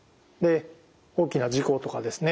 大きな事故とかですね